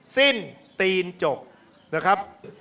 สิ้นตีนจกนะครับ